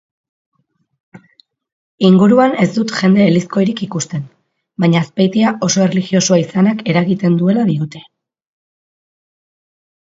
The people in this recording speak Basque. Inguruan ez dut jende elizkoirik ikusten ,baina Azpeitia oso erlijosoa izanak eragiten duela diote.